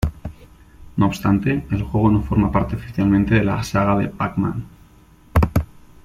No obstante, el juego no forma parte oficialmente de la saga de Pac-Man.